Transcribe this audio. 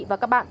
và các bạn